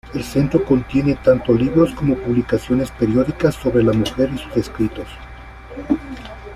El Centro contiene tanto libros como publicaciones periódicas sobre la mujer y sus escritos.